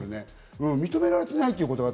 認められてない。